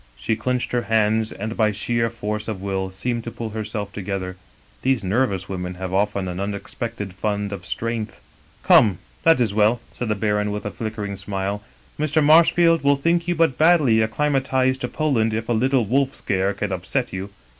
" She clinched her hands, and by sheer force of will seemed to pull herself together. These nervous women have often an unexpected fund of strength. "* Come, that is well,' said the baron with a flickering smile ;' Mr. Marshfield will think you but badly acclima tized to Poland if a Uttle wolf scare can upset you.